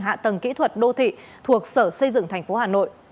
hạ tầng kỹ thuật đô thị thuộc sở xây dựng tp hà nội